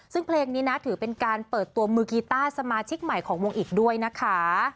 ซึ่งเพลงนี้นะถือเป็นการเปิดตัวมือกีต้าสมาชิกใหม่ของวงอีกด้วยนะคะ